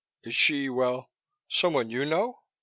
Is she, well, someone you know?"